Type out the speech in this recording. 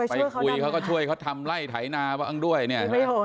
ไปคุยเขาก็ช่วยเขาทำไล่ไถนาบ้างด้วยเนี่ย